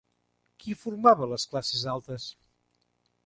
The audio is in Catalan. Qui formava les classes altes?